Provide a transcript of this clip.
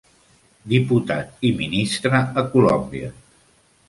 Diputat i ministre a Colòmbia.